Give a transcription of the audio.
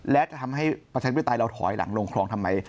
และจะทำให้ประชาธิปไตยเราถอยหลังลงคลองทำไม